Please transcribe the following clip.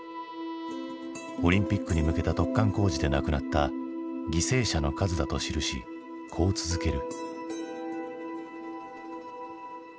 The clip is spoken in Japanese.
オリンピックに向けた突貫工事で亡くなった犠牲者の数だと記しこう続ける。